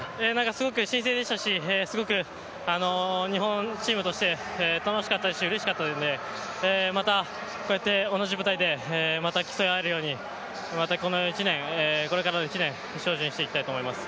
すごく新鮮でしたし、すごく日本チームとして楽しかったし、うれしかったので、またこうやって同じ舞台で競い合えるように、またこの１年、これからの１年、精進していきたいと思います。